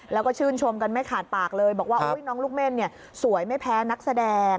แล้วก็ชื่นชมกันไม่ขาดปากเลยบอกว่าน้องลูกเม่นสวยไม่แพ้นักแสดง